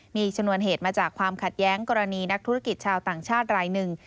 มีชนวนเหตุมาจากความขัดแย้งกรณีนักธุรกิจชาวต่างชาติรายหนึ่ง